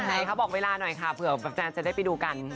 ไหนคะบอกเวลาหน่อยค่ะเผื่อแฟนจะได้ไปดูกัน